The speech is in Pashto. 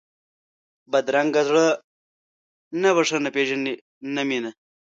بدرنګه زړه نه بښنه پېژني نه مینه